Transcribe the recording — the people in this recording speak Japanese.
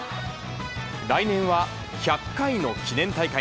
来年は１００回の記念大会。